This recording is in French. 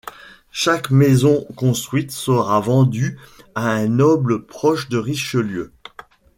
Chaque maison construite sera vendue à un noble proche de Richelieu.